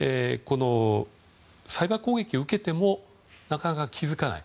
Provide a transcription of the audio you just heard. サイバー攻撃を受けてもなかなか気づかない。